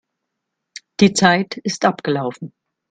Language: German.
Die Zeit ist abgelaufen.